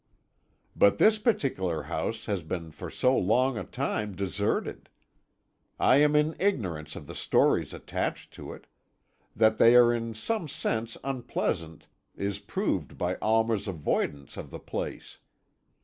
"But this particular house has been for so long a time deserted! I am in ignorance of the stories attached to it; that they are in some sense unpleasant is proved by Almer's avoidance of the place.